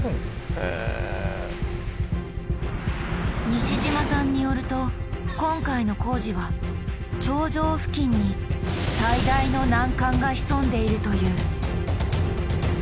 西島さんによると今回の工事は頂上付近に最大の難関が潜んでいるという。